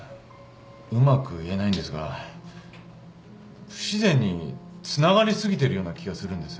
うまく言えないんですが不自然につながり過ぎているような気がするんです。